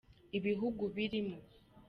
ibihugu birimo.